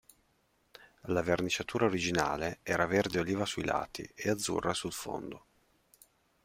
La verniciatura originale era verde oliva sui lati e azzurra sul fondo.